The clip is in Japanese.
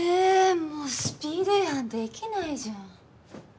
もうスピード違反できないじゃん。